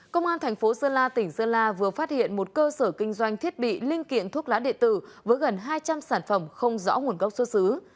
công an thành phố sơn la tỉnh sơn la vừa phát hiện một cơ sở kinh doanh thiết bị linh kiện thuốc lá địa tử với gần hai trăm linh sản phẩm không rõ nguồn gốc xuất xứ